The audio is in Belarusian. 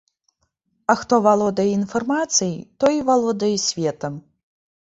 А хто валодае інфармацыяй, той і валодае светам.